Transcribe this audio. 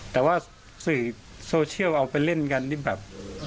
แต่ว่าสื่อโซเชียลเอาไปเล่นกันที่แบบ